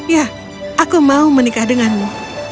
ya aku mau menikah denganmu